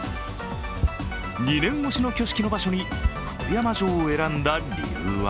２年越しに挙式の場所に福山城を選んだ理由は？